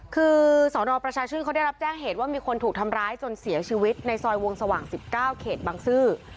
คือสนประชาชื่นเขาได้รับแจ้งเหตุว่ามีคนถูกทำร้ายจนเสียชีวิตในซอยวงสว่าง๑๙เขตบางซื่อ